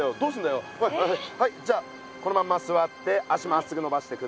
はいじゃあこのまますわって足まっすぐのばしてください。